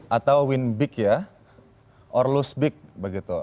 atau win big ya or lose big begitu